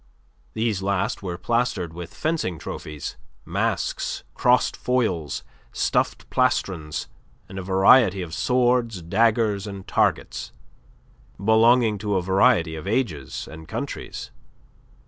These last were plastered with fencing trophies, masks, crossed foils, stuffed plastrons, and a variety of swords, daggers, and targets, belonging to a variety of ages and countries.